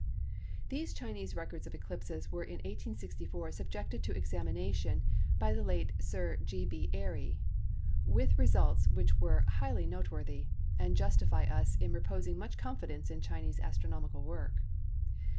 These Chinese records of eclipses were in 1864 subjected to examination by the late Sir G. B. Airy, with results which were highly noteworthy, and justify us in reposing much confidence in Chinese astronomical work.